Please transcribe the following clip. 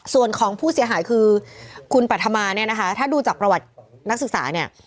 ส่วนของผู้เสียหายคือคุณปรัฐมาเนี่ยนะคะถ้าดูจากประวัตินักศึกษาเนี่ย